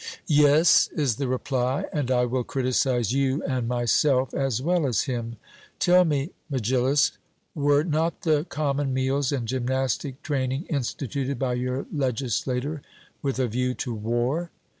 Yes, is the reply, and I will criticize you and myself, as well as him. Tell me, Megillus, were not the common meals and gymnastic training instituted by your legislator with a view to war?